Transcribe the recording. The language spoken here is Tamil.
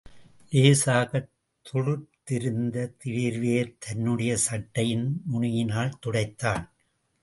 லேசாகத் துளிர்த்திருந்த வேர்வையைத் தன்னுடைய சட்டையின் நுனியினால் துடைத்தான்.